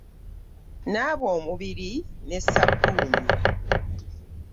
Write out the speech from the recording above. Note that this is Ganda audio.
Naaba omubiri ne ssabbuuni.